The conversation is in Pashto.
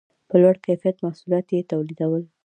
په لوړ کیفیت محصولات یې تولیدول.